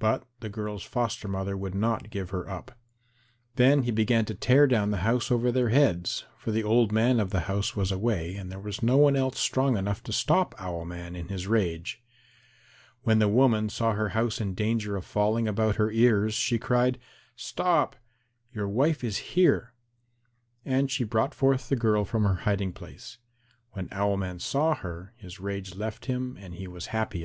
But the girl's foster mother would not give her up. Then he began to tear down the house over their heads, for the old man of the house was away and there was no one else strong enough to stop Owl man in his rage. When the woman saw her house in danger of falling about her ears, she cried, "Stop; your wife is here." And she brought forth the girl from her hiding place. When Owl man saw her, his rage left him and he was happy again.